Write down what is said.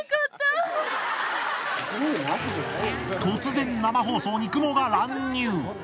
突然生放送にクモが乱入。